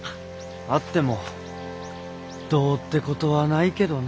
あってもどうってことはないけどね。